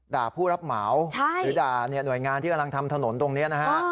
ผู้รับเหมาหรือด่าหน่วยงานที่กำลังทำถนนตรงนี้นะฮะ